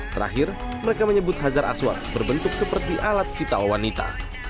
terakhir mereka menyebut hazar aswad berbentuk seperti alat vital wanita